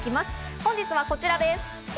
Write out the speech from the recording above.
本日はこちらです。